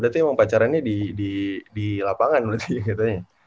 itu emang pacarannya di lapangan menurut lu ya katanya